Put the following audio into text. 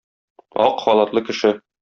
Ак халатлы кеше.